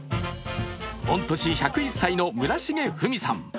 御年１０１歳の村重フミさん。